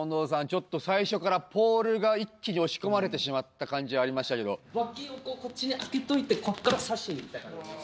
ちょっと最初からポールが一気に押し込まれてしまった感じありましたけど脇をこっちにあけといてここからさしにいった感じです